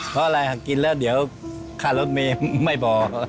เพราะอะไรกินแล้วเดี๋ยวค่ารถเมย์ไม่บอก